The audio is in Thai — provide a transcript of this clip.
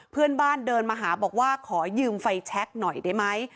เพื่อนบ้านเดินมาหาบอกว่าขอยืมไฟแช็คหน่อยได้ไหม